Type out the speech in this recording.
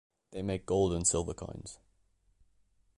They make gold and silver coins.